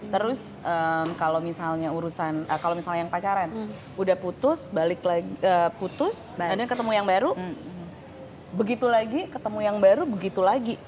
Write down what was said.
terus kalau misalnya urusan kalau misalnya yang pacaran udah putus balik putus dan ketemu yang baru begitu lagi ketemu yang baru begitu lagi